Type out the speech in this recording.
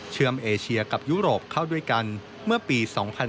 เอเชียกับยุโรปเข้าด้วยกันเมื่อปี๒๕๕๙